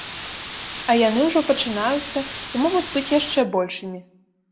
А яны ўжо пачынаюцца і могуць быць яшчэ большымі.